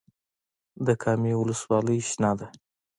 د کامې ولسوالۍ شنه ده